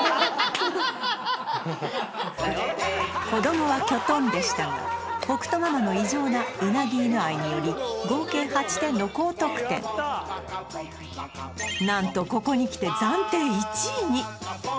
子供はキョトンでしたが北斗ママの異常なウナギイヌ愛により合計８点の高得点なんとここに来て暫定１位に！